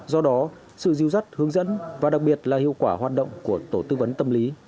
do đó sự dìu dắt hướng dẫn và đặc biệt là hiệu quả hoạt động của tổ tư vấn tâm lý